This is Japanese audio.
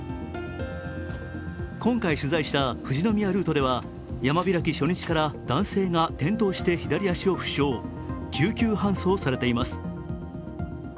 今回取材した富士宮ルートでは山開き初日から男性が転倒して左足を負傷、救急搬送されています。